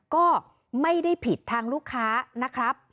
ก็ไม่ได้ผิดทางลูกค้านะครับ